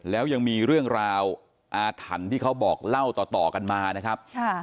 แล้วยังมีเรื่องราวอาถรรพ์ที่เขาบอกเล่าต่อกันมานะครับ